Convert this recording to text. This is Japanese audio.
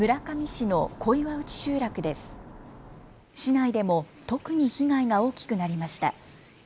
市内でも特に被害が大きくなりました。